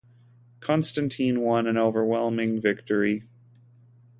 Constantine won an overwhelming victory.